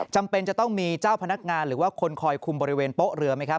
จำเป็นจะต้องมีเจ้าพนักงานหรือว่าคนคอยคุมบริเวณโป๊ะเรือไหมครับ